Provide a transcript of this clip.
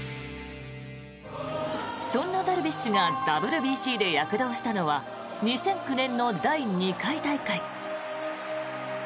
そんなダルビッシュがＷＢＣで躍動したのは２００９年の第２回大会。